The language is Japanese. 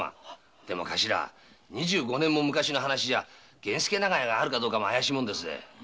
でも二十五年も昔の話じゃ源助長屋があるかどうかも怪しいもんですぜ。